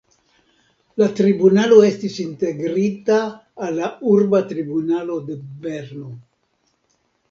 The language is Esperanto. La tribunalo estis integrita al la urba tribunalo de Berno.